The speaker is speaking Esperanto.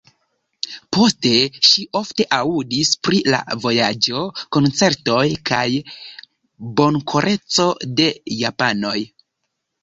Poste ŝi ofte aŭdis pri la vojaĝo, koncertoj kaj bonkoreco de japanoj.